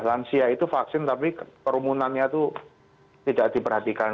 lansia itu vaksin tapi kerumunannya itu tidak diperhatikan